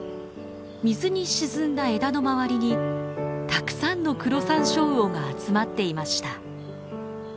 水に沈んだ枝の周りにたくさんのクロサンショウウオが集まっていました。